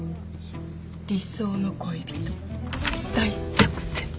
理想の恋人大作戦。